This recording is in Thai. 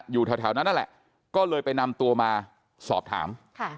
อยู่แถวนั้นนั่นแหละก็เลยไปนำตัวมาสอบถาม